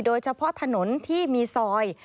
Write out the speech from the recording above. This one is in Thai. โดยเฉพาะถนนที่มีซอย